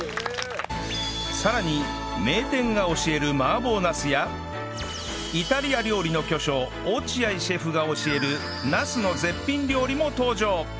さらに名店が教える麻婆ナスやイタリア料理の巨匠落合シェフが教えるナスの絶品料理も登場！